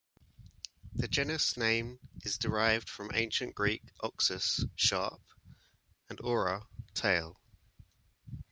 The genus name is derived from Ancient Greek "oxus", "sharp", and "oura", "tail".